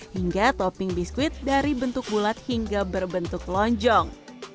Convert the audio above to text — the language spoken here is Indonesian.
hingga topping biskuit dari bentuk bulat hingga berbentuk lonjong